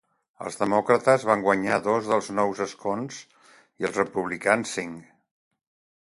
Els demòcrates van guanyar dos dels nous escons, i els republicans, cinc.